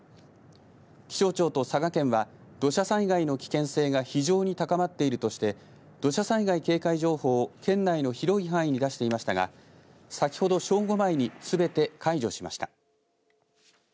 気象庁と佐賀県は土砂災害の危険性が非常に高まっているとして土砂災害警戒情報を県内の広い範囲に出していましたが先ほど正午前にすべて解除しました。